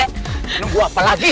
nunggu apa lagi